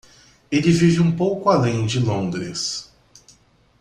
Ele vive um pouco além de Londres.